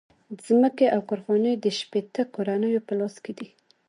ځمکې او کارخانې د شپیته کورنیو په لاس کې دي